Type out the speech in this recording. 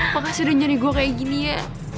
makasih udah nyari gue kayak gini ya